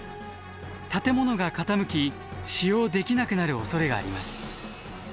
建物が傾き使用できなくなるおそれがあります。